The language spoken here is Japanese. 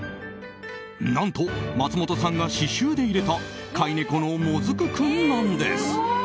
何と、松本さんが刺しゅうで入れた飼い猫のもずく君なんです。